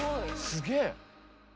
すげえ。